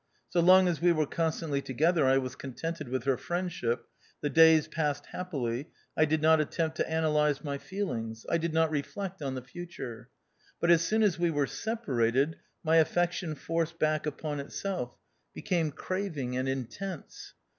So long as we were con stantly together I was contented with her friendship ; the days passed happily ; I did not attempt to analyse my feelings ; I did not reflect on the future. But, as soon as we were separated, my affection forced back upon itself, became craving and intense.